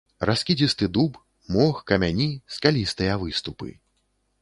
Раскідзісты дуб, мох, камяні, скалістыя выступы.